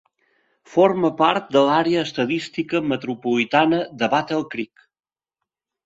Forma part de l'Àrea Estadística Metropolitana de Battle Creek.